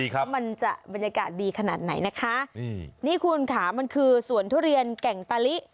ว่ามันจะบรรยากาศดีขนาดไหนนะคะอืมนี่คุณค่ะมันคือสวนทุเรียนแก่งตะลิ